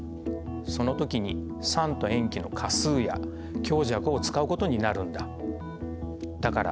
その時に酸と塩基の価数や強弱を使うことになるんだ。